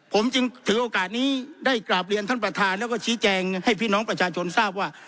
ผมจึงถือโอกาสนี้ได้กราบเรียนท่านประธานแล้วก็ชี้แจงให้พี่น้องประชาชนทราบว่า